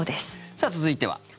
さあ、続いては。